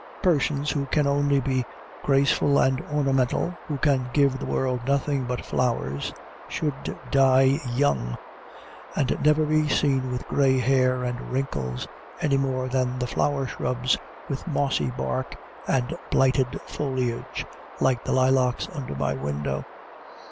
Persons who can only be graceful and ornamental who can give the world nothing but flowers should die young, and never be seen with gray hair and wrinkles, any more than the flower shrubs with mossy bark and blighted foliage, like the lilacs under my window.